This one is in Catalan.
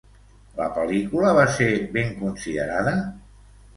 La pel·lícula va ser ben considerada?